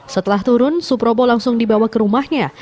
setelah turun suprobo langsung dibawa ke rumahnya